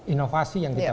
inovasi yang kita